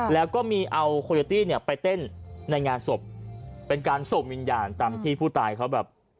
แล้วก็มีเอาโคโยตี้เนี่ยไปเต้นในงานศพเป็นการส่งวิญญาณตามที่ผู้ตายเขาแบบ